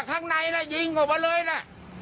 ข้างในน่ะยิงออกมาเลยนะ